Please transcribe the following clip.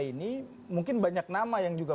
ini mungkin banyak nama yang juga